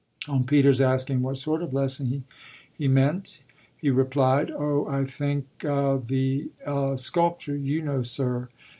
On Peter's asking what sort of lesson he meant he replied: "Oh I think a the a sculpture, you know, sir."